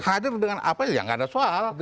bisa hadir dengan apalah ya tidak ada soal tapi